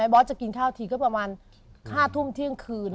บอสจะกินข้าวทีก็ประมาณ๕ทุ่มเที่ยงคืน